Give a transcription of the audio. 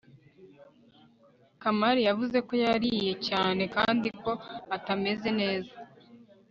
kamali yavuze ko yariye cyane kandi ko atameze neza